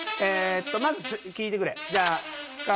まず聞いてくれ。